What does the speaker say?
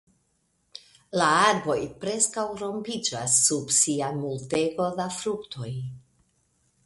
La arboj preskaŭ rompiĝas sub sia multego da fruktoj.